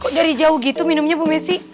kok dari jauh gitu minumnya bu messi